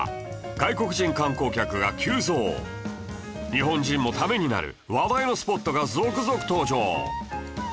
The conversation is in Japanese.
日本人もためになる話題のスポットが続々登場